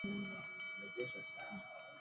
emehimiza pande mbili kuyazungumza